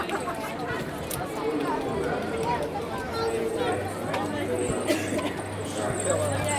Ntsónə́ mwô mândɔ̂ mbɔ̂ nəwɛ̌, ŋgyə̂ ndɔ́p nɛŋgywa ncú ŋgâʼ.